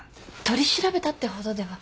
取り調べたってほどでは。